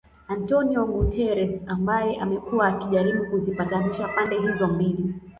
Antonio Guterres ambaye amekuwa akijaribu kuzipatanisha pande hizo mbili